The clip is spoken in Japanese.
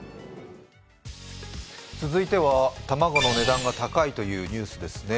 続いては、卵の値段が高いというニュースですね。